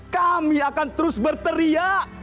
kami akan terus berteriak